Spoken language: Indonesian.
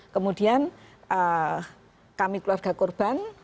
kemudian kami keluarga korban